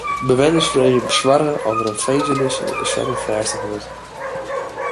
Bewenners freegje besoarge oft der in finzenis yn de kazerne fêstige wurdt.